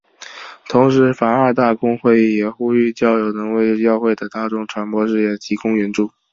同时梵二大公会议也呼吁教友能为教会的大众传播事业提供援助。